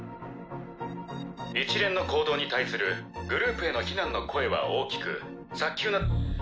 一連の行動に対するグループへの非難の声は大きく早急な。